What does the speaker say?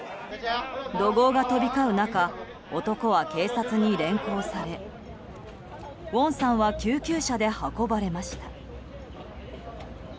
怒号が飛び交う中男は警察に連行されウォンさんは救急車で運ばれました。